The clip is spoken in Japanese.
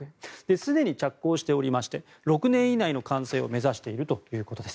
すでに着工しておりまして６年以内の完成を目指しているということです。